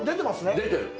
出てる。